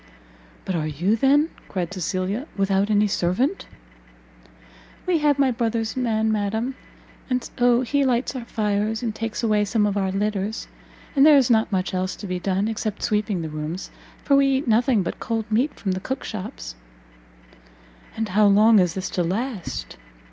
"But are you, then," cried Cecilia, "without any servant?" "We have my brother's man, madam, and so he lights our fires, and takes away some of our litters; and there is not much else to be done, except sweeping the rooms, for we eat nothing but cold meat from the cook shops." "And how long is this to last?"